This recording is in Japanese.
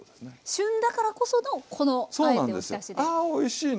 旬だからこそのこのあえておひたしで。